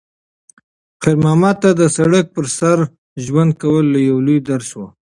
خیر محمد ته د سړک پر سر ژوند کول یو لوی درس و.